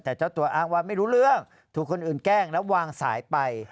แต่เจ้าตัวอ้างว่าไม่รู้เรื่องถูกคนอื่นแกล้งแล้ววางสายไป